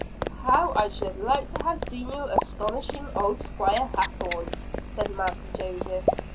"How I should like to have seen you astonishing old Squire Hathorne," said Master Joseph.